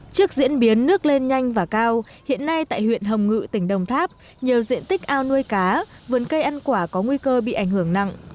trước diễn biến nước lên nhanh và cao hiện nay tại huyện hồng ngự tỉnh đồng tháp nhiều diện tích ao nuôi cá vườn cây ăn quả có nguy cơ bị ảnh hưởng nặng